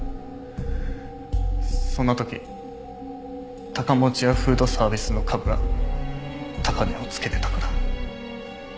そんな時高持屋フードサービスの株が高値をつけてたから。